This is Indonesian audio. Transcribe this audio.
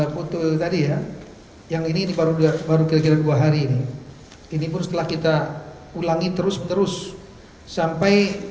hai yang ini baru baru kira kira dua hari ini ini pun setelah kita ulangi terus terus sampai